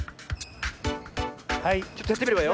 ちょっとやってみるわよ。